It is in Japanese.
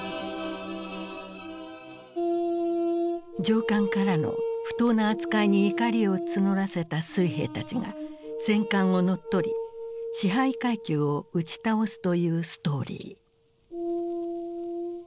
上官からの不当な扱いに怒りを募らせた水兵たちが戦艦を乗っ取り支配階級を打ち倒すというストーリー。